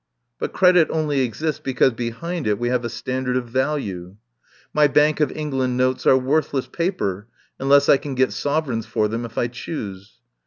But credit only exists because behind it we have a standard of value. My Bank of England notes are worthless pa per unless I can get sovereigns for them if I choose.